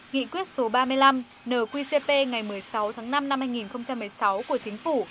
nghị quyết số ba mươi năm nqcp ngày một mươi sáu tháng năm năm hai nghìn một mươi sáu của chính phủ